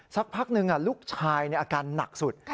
สักพักหนึ่งลูกชายอาการหนักสุด